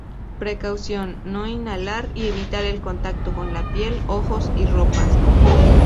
Precaución: No inhalar y evitar el contacto con la piel, ojos y ropas.